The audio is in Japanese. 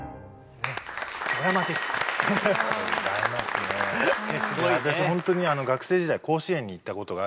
すごいね。